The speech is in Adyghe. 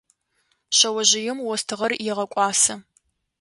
Шъэожъыем остыгъэр егъэкӏуасэ.